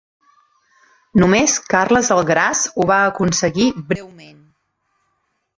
Només Carles el Gras ho va aconseguir breument.